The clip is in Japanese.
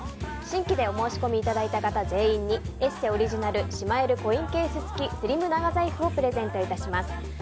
新規でお申し込みいただいた方全員に「ＥＳＳＥ」オリジナルしまえるコインケース付きスリム長財布をプレゼントいたします。